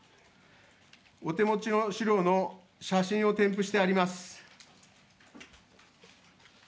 お手持ちの資料の写真を添付してあります。